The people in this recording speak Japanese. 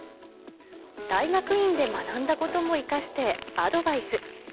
大学院で学んだことも生かしてアドバイス。